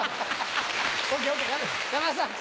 山田さん